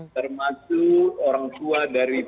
termasuk orang tua dari baris krip